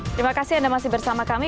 terima kasih anda masih bersama kami